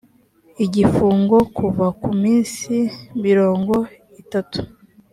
igifungo kuva ku minsi mirongo itatu